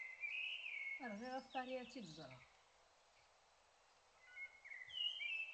Rɣiɣ ɣef Paris ad tt-id-ẓreɣ.